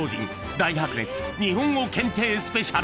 ［大白熱日本語検定スペシャル］